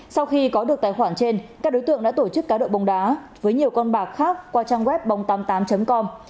sau khi có được tài khoản trên các đối tượng đã tổ chức cá độ bóng đá với nhiều con bạc khác qua trang web bóng tám mươi tám com